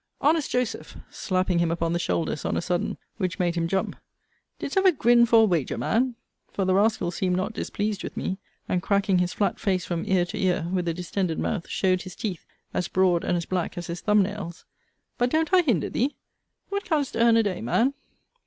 Honest Joseph, slapping him upon the shoulders on a sudden, which made him jump, didst ever grin for a wager, man? for the rascal seemed not displeased with me; and, cracking his flat face from ear to ear, with a distended mouth, showed his teeth, as broad and as black as his thumb nails. But don't I hinder thee? What canst earn a day, man?